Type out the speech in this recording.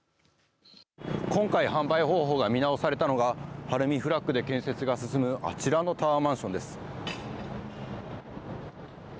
今回、販売方法が見直されたのが晴海フラッグで建設が進むあちらのタワーマンションです。